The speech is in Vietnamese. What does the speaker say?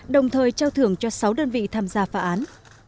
đồng thời trao thưởng cho sáu đơn vị tham gia phá án